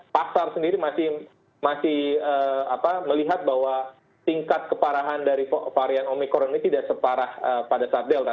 pasar sendiri masih melihat bahwa tingkat keparahan dari varian omikron ini tidak separah pada saat delta